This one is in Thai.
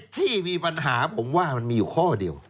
ที่มีปัญหาผมว่ามันมีอยู่ข้อเดียว